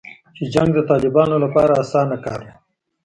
چې جنګ د طالبانو لپاره اسانه کار و